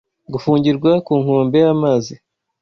'Gufungirwa ku nkombe y'amazi